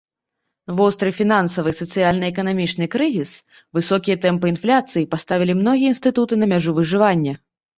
Востры фінансавы, сацыяльна-эканамічны крызіс, высокія тэмпы інфляцыі паставілі многія інстытуты на мяжу выжывання.